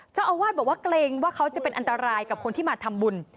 เจ้าอาวาสบอกว่าเกรงว่าเขาจะเป็นอันตรายกับคนที่มาทำบุญ